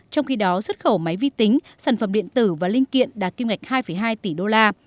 trong khi đó xuất khẩu máy vi tính sản phẩm điện tử và linh kiện đạt kim ngạch hai hai tỷ đô la